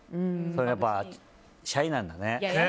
やっぱ、シャイなんだね。